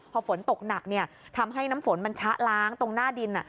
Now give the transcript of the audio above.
พอฝนตกหนักทำให้น้ำฝนมันชะล้างตรงหน้าดิน